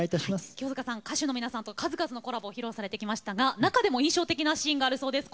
清塚さん、歌手の皆さんと数々のコラボを「うたコン」でも披露してくださっていますが中でも印象的なシーンがあるそうです。